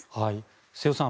瀬尾さん